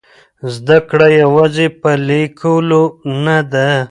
زده کړه یوازې په لیکلو نه ده.